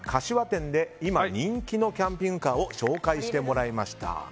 柏店で今、人気のキャンピングカーを紹介してもらいました。